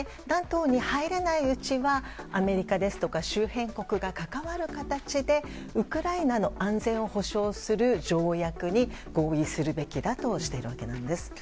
ＮＡＴＯに入らないうちはアメリカですとか周辺国が関わる形でウクライナの安全を保障する条約に合意するべきだとしているわけなんです。